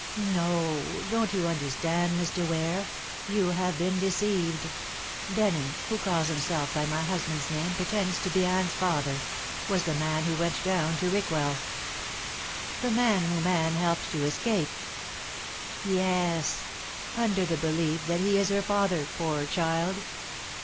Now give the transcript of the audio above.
"No. Don't you understand, Mr. Ware. You have been deceived. Denham, who calls himself by my husband's name pretends to be Anne's father, was the man who went down to Rickwell." "The man whom Anne helped to escape." "Yes. Under the belief that he is her father, poor child."